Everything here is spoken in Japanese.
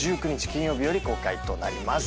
金曜日より公開となります。